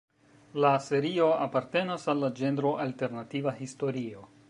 La serio apartenas al la ĝenro alternativa historio.